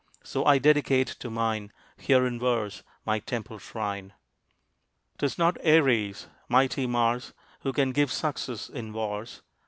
So I dedicate to mine, Here in verse, my temple shrine. 'Tis not Ares, mighty Mars, Who can give success in wars.